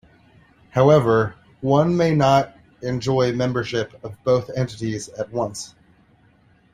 However, one may not enjoy membership of both entities at once.